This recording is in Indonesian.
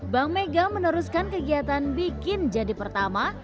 bank mega meneruskan kegiatan bikin jadi pertama